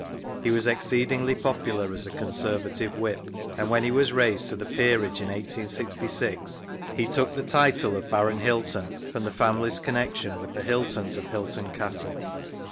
He was exceedingly popular as a Conservative Whip, and when he was raised to the Peerage in 1866, he took the title of Baron Hylton from the family's connection with the Hyltons of Hylton Castle.